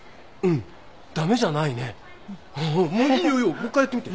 もう一回やってみて。